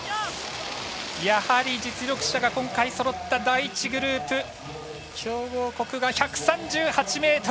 やはり、実力者が今回そろった第１グループ、強豪国が１３８ｍ。